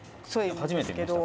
初めて見ました。